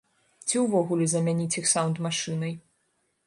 Ці ўвогуле замяніць іх саўнд-машынай.